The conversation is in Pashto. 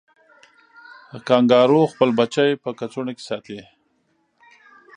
کانګارو خپل بچی په کڅوړه کې ساتي